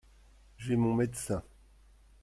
J’ai mon médecin.